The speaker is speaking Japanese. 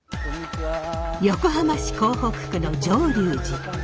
横浜市港北区の浄流寺。